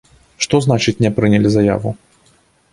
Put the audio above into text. Што значыць не прынялі заяву?